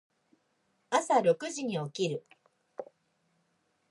朝六時に起きる。